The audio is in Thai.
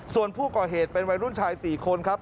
ส่วนผู้ก่อเหตุเป็นวัยรุ่นชาย๔คนครับ